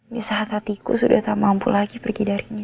di saat hatiku sudah tak mampu lagi pergi darinya